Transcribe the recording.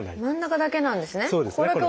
真ん中だけなんですね。